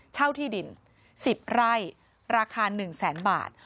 เช่าที่ดิน๑๐ไร่ราคา๑แสนบาท